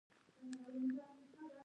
افغانستان به زرغون شي؟